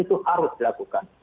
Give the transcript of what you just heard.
itu harus dilakukan